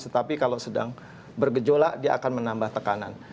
tetapi kalau sedang bergejolak dia akan menambah tekanan